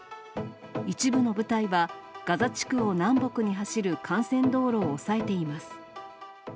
一部の部隊はガザ地区を南北に走る幹線道路を押さえています。